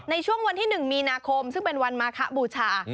ในช่วงวันที่๑มีนาคมซึ่งเป็นวันมาคะบูชา